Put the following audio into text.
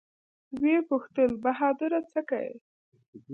ويې پوښتل بهادره سه کې.